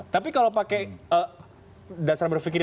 tapi kalau pakai dasar berpikir